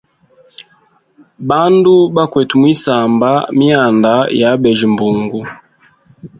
Bandu bakwete mwisamba mwyanda ya abeja mbungu.